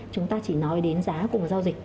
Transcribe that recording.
chúng ta chỉ nói đến giá của giao dịch